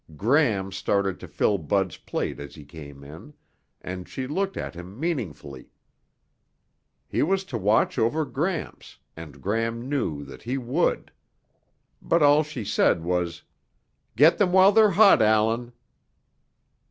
Gram started to fill Bud's plate as he came in, and she looked at him meaningfully: he was to watch over Gramps and Gram knew that he would. But all she said was, "Get them while they're hot, Allan."